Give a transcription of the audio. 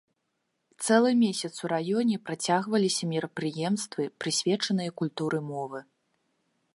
Цэлы месяц у раёне працягваліся мерапрыемствы, прысвечаныя культуры мовы.